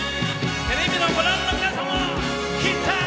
テレビをご覧の皆さんも。